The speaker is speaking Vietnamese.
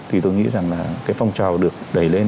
thì tôi nghĩ rằng là cái phong trào được đẩy lên